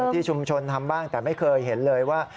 ที่ชุมชนทำบ้างแต่ไม่เคยเห็นเลยว่า